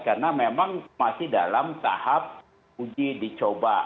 karena memang masih dalam tahap uji dicoba